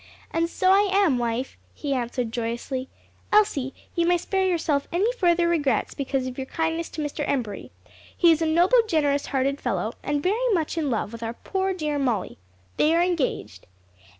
"And so I am, wife," he answered joyously. "Elsie, you may spare yourself any further regrets because of your kindness to Mr. Embury. He is a noble, generous hearted fellow, and very much in love with our poor, dear Molly. They are engaged."